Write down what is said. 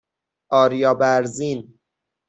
آریابرزین